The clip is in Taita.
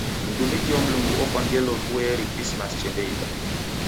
Mdumiki wa Mlungu ofwa ngelo vueri Krismasi chendaida.